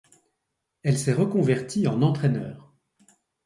Elle s'est reconvertie en entraîneur.